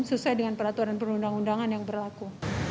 sesuai dengan peraturan perundang undangan yang berlaku